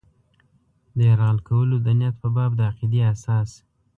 د یرغل کولو د نیت په باب د عقیدې اساس.